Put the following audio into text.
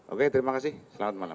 oke terima kasih selamat malam